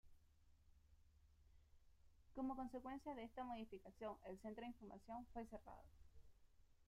Como consecuencia de esta modificación, el centro de información fue cerrado.